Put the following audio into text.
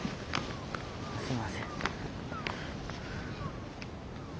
すいません。